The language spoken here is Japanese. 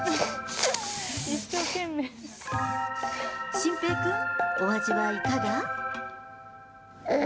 慎平くん、お味はいかが？